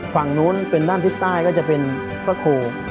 ฝั่งนู้นเป็นด้านทิศใต้ก็จะเป็นพระครู